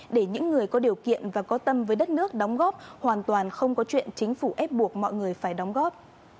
để những người có điều kiện và có tâm với đất nước đóng góp hoàn toàn không có chuyện chính phủ ép buộc mọi người phải đóng góp